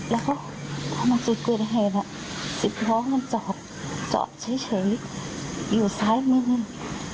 แล้วถ้ามันจะเกิดแหละสิบล้อมันจอดจอดเฉยอยู่ซ้ายมือหนึ่ง